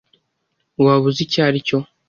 Waba uzi icyo aricyo?